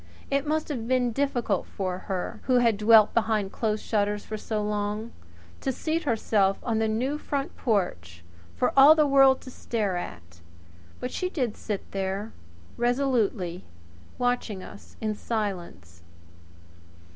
It must have been difficult for her, who had dwelt behind closed shutters so long, to seat herself on the new front porch for all the world to stare at; but she did sit there resolutely watching us in silence.